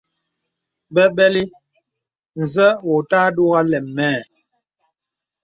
Bəbələ nzə wò òtà àdógā lēm mə.